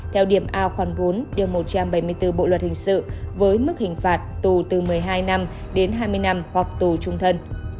theo điểm a khoảng bốn một trăm bảy mươi bốn bộ luật hình sự với mức hình phạt tù từ một mươi hai năm đến hai mươi năm hoặc tù trung thân